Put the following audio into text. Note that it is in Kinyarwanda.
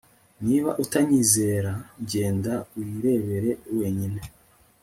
Niba utanyizera genda wirebere wenyine